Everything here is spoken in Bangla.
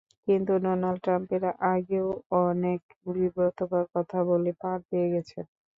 কিন্তু ডোনাল্ড ট্রাম্পের আগেও অনেক বিব্রতকর কথা বলে পার পেয়ে গেছেন।